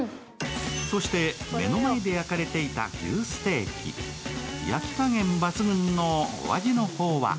そして目の前で焼かれていた牛ステーキ、焼き加減抜群のお味の方は？